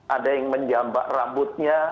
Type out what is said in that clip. ada yang menjambak rambutnya